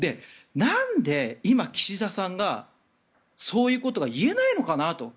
なんで今、岸田さんがそういうことが言えないのかなと。